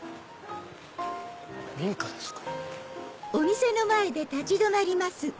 民家ですか。